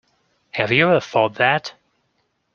Have you ever thought that?